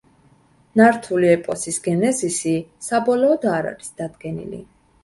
ნართული ეპოსის გენეზისი საბოლოოდ არ არის დადგენილი.